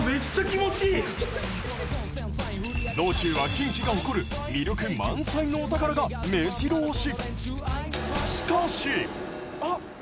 道中は近畿が誇る魅力満載のお宝がめじろ押し。